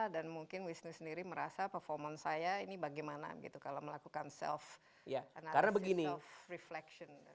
dan mungkin wisnu sendiri merasa performance saya ini bagaimana gitu kalau melakukan self analysis self reflection